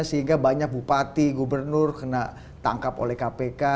sehingga banyak bupati gubernur kena tangkap oleh kpk